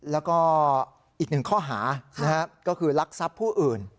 แล้วก็อีกหนึ่งข้อหาก็คือรักทรัพย์ผู้อื่น